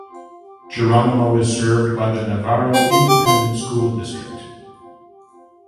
Geronimo is served by the Navarro Independent School District.